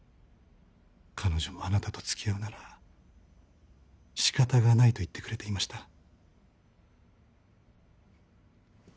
彼女も「あなたと付き合うなら仕方がない」と言ってくれていました。